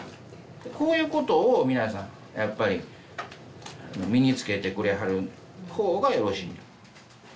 こういうことを皆さんやっぱり身につけてくれはる方がよろしい。